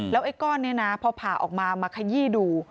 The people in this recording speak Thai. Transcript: ไอ้ก้อนนี้นะพอผ่าออกมามาขยี้ดู